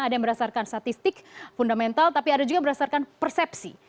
ada yang berdasarkan statistik fundamental tapi ada juga berdasarkan persepsi